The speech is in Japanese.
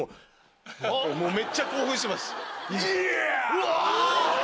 うわ！